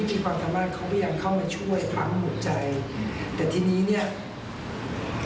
พยายามช่วยอย่างเงินที่แล้วก็เป็นกำลังใจให้พี่โจมาก